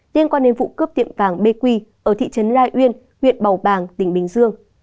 liên quan đến vụ cướp tiệm vàng bqi ở thị trấn lai uyên huyện bầu bàng tỉnh bình dương